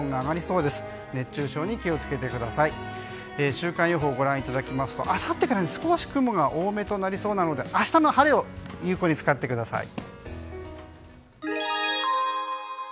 週間予報をご覧いただきますとあさってから少し雲が多めとなりそうなので明日の晴れを有効に使ってください。